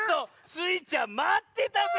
スイちゃんまってたぜ！